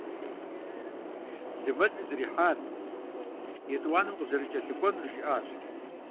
Зы мэлыр зэрихьар, етӀуанэм къызэрыкӀэлъыкӀуэнур жиӀащ.